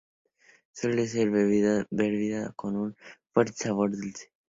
Suele ser una bebida servida con un fuerte sabor dulce.